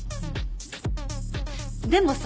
でもさ。